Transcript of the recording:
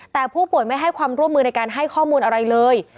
แต่ผู้ป่วยไม่ให้ความร่วมมือในการให้ข้อมูลอะไรเลย